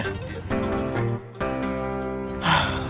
enggak aku liat